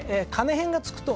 へんが付くと。